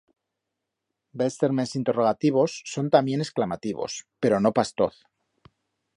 Bels termens interrogativos son tamién exclamativos, pero no pas toz.